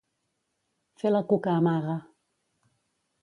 Fer la cuca-amaga.